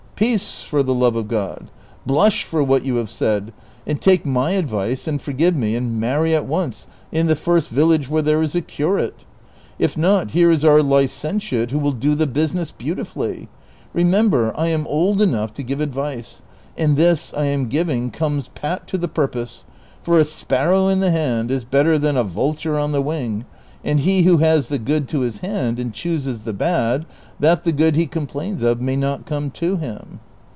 Peace, for the love of God ! Blush for Avhat you have said, and take my advice, and forgive me, and marry at once in the first village where there is a curate ; if not, here is our licentiate who will do the business beautifully ; rememlier, I am old enough to give advice, and this I am giving comes pat to the purpose ; for a sparrow in the hand is better than a vulture on the wing,' and he who has the good to his hand and chooses the bad, that the good he complains of may not come to him."